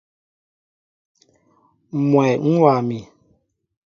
Mwɛy ń wa mi.